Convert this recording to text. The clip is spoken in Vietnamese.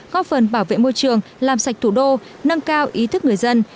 góp phần bảo vệ môi trường làm sạch thủ đô nâng cao ý thức người dân